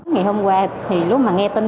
ngày hôm qua thì lúc mà nghe tin